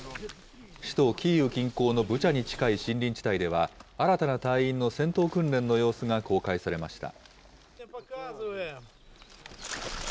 首都キーウ近郊のブチャに近い森林地帯では、新たな隊員の戦闘訓練の様子が公開されました。